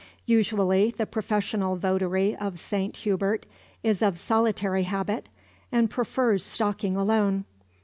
Usually the professional votary of Saint Hubert is of solitary habit, and prefers stalking alone.